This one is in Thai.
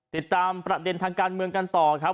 ติดตามประเด็นทางการเมืองกันต่อครับ